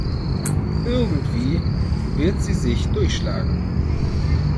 Irgendwie wird sie sich durchschlagen.